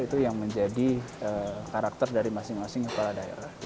itu yang menjadi karakter dari masing masing kepala daerah